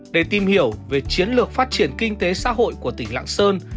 để tìm hiểu về chiến lược phát triển kinh tế xã hội của tỉnh lạng sơn